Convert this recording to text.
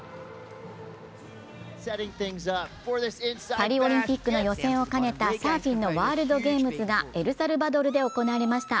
パリオリンピックの予選を兼ねたサーフィンのワールドゲームズがエルサルバドルで行われました。